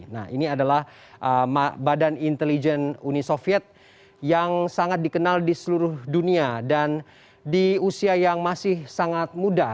nah ini adalah badan intelijen uni soviet yang sangat dikenal di seluruh dunia dan di usia yang masih sangat muda